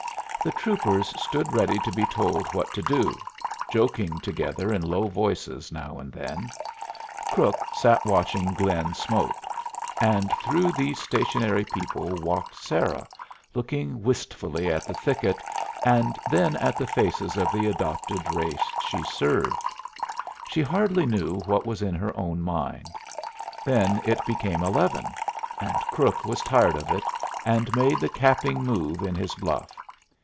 The troopers stood ready to be told what to do, joking together in low voices now and then; Crook sat watching Glynn smoke; and through these stationary people walked Sarah, looking wistfully at the thicket, and then at the faces of the adopted race she served. She hardly knew what was in her own mind. Then it became eleven, and Crook was tired of it, and made the capping move in his bluff.